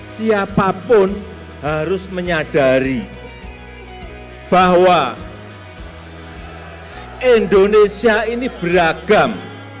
siapapun harus menyadari bahwa indonesia ini beragam